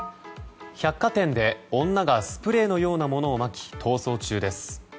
百貨店で女がスプレーのようなものをまき逃走中です。